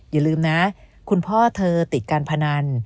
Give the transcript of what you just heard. อย่าลืมนะคุณพ่อเธอติดการพนัน